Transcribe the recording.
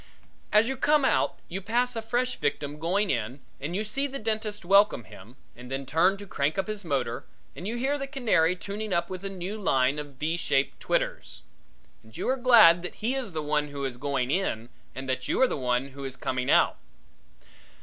As you come out you pass a fresh victim going in and you see the dentist welcome him and then turn to crank up his motor and you hear the canary tuning up with a new line of v shaped twitters. And you are glad that he is the one who is going in and that you are the one who is coming out.